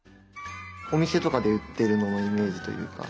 おみせとかでうってるイメージというか。